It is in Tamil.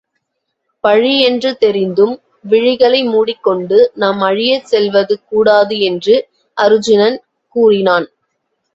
பழி என்று தெரிந்தும் விழிகளை மூடிக் கொண்டு நாம் அழியச் செல்வது கூடாது என்று அருச்சுனன் கூறினான்.